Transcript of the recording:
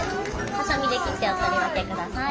はさみで切ってお取り分けください。